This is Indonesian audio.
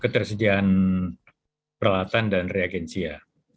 ketersediaan peralatan dan reagensia